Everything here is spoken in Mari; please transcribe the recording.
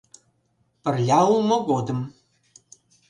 Пырля улмо годым.